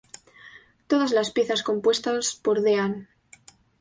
Todas las piezas compuestas por Dean.